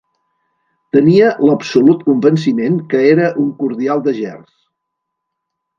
Tenia l'absolut convenciment que era un cordial de gerds.